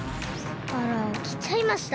あらきちゃいました。